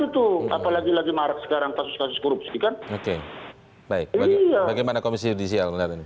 itu apalagi lagi maret sekarang kasus kasus kurupsi kan oke baik bagaimana komisi judicial